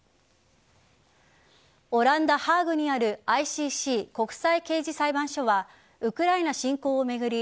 オランダ・ハーグにあるＩＣＣ＝国際刑事裁判所はウクライナ侵攻を巡り